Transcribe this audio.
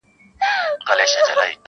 • ناګهانه یې د بخت کاسه چپه سوه,